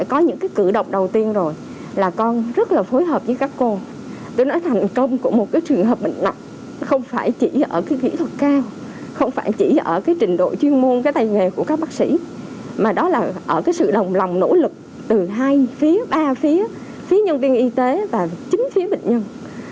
con đã rất nỗ lực từ hai phía ba phía phía nhân viên y tế và chính phía bệnh nhân